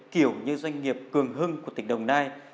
kiểu như doanh nghiệp cường hưng của tỉnh đồng nai